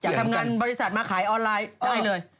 ทำงานบริษัทมาขายออนไลน์ได้เลย